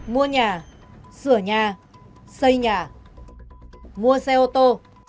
mua nhà sửa nhà xây nhà mua xe ô tô